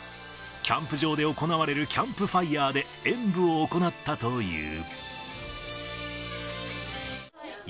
キャンプ場で行われるキャンプファイヤーで、演舞を行ったという。